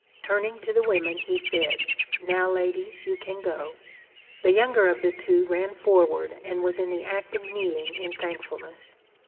Turning to the women he said, ' Now, ladies, you can go.' The younger of the two ran forward and was in the act of kneeling in thankfulness.